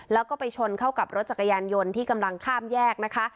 แล้วก็ไปชนเข้ากับรถจักรยานยนต์ที่กำลังข้ามแยกนะคะ